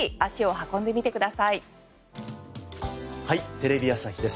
『はい！テレビ朝日です』